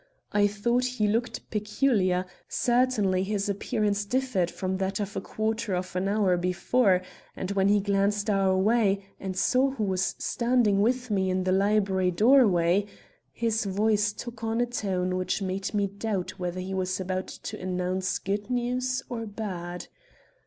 I thought he looked peculiar; certainly his appearance differed from that of a quarter of an hour before, and when he glanced our way and saw who was standing with me in the library doorway, his voice took on a tone which made me doubt whether he was about to announce good news or bad.